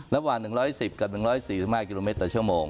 ระหว่าง๑๑๐กับ๑๔๕กิโลเมตรต่อชั่วโมง